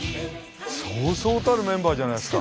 そうそうたるメンバーじゃないですか。